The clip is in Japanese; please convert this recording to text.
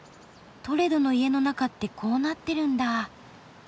トレドの家の中ってこうなってるんだ。